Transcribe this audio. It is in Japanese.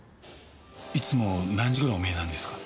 いつも何時頃お見えなんですか？